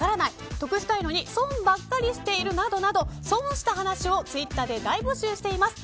得したいのに損ばっかりしているなどなど損した話をツイッターで大募集しています。＃